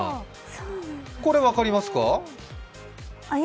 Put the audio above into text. これ分かりますか？